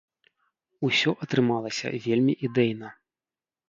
Усё атрымалася вельмі ідэйна!